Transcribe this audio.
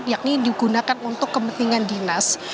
yakni digunakan untuk kepentingan dinas